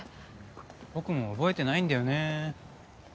僕も覚えてないんだよね。